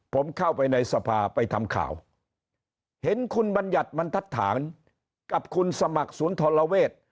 ผมเข้าไปในสภาไปทำข่าวเห็นคุณบัญญัติบรรทัศน์กับคุณสมัครศูนย์ธรเวศ